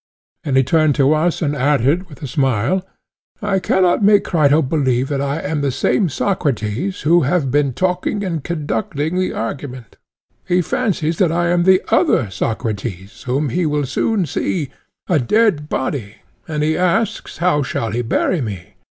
Then he turned to us, and added with a smile:—I cannot make Crito believe that I am the same Socrates who have been talking and conducting the argument; he fancies that I am the other Socrates whom he will soon see, a dead body—and he asks, How shall he bury me?